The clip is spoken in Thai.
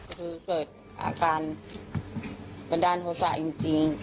เจอเกิดอาการบัญดารโทรศักดิ์จริง